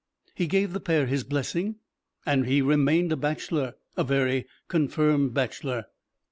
He gave the pair his blessing, and remained a bachelor a very confirmed bachelor.